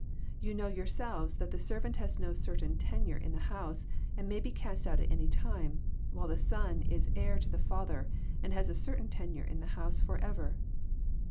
—Yon know yourselves that the servant has no certain tenure in the house, and may be cast out at any time ; while the Son is heir to the Father, tind has a certain tenure in the house for ever.